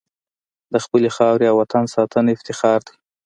د خپلې خاورې او وطن ساتنه افتخار دی.